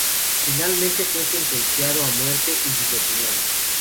Finalmente, fue sentenciado a muerte y guillotinado.